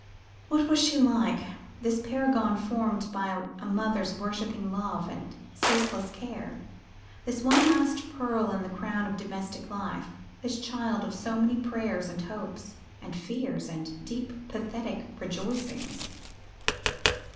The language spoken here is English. What was she like, this paragon formed by a mother's worshipping love and ceaseless care, this one last pearl in the crown of domestic life, this child of so many prayers and hopes, and fears, and deep pathetic rejoicings?